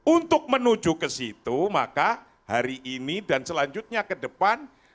untuk menuju ke situ maka hari ini dan selanjutnya ke depan